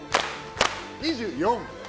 ２４。